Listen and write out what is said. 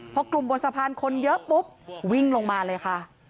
พอกลุ่มบนสะพานคนเยอะปุ๊บวิ่งลงมาเลยค่ะ